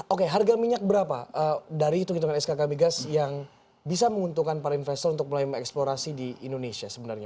oke harga minyak berapa dari hitung hitungan skk migas yang bisa menguntungkan para investor untuk mulai mengeksplorasi di indonesia sebenarnya